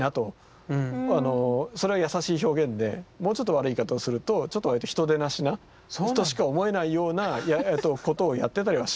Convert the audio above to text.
それは優しい表現でもうちょっと悪い言い方をするとちょっと人でなしなとしか思えないようなことをやってたりはします。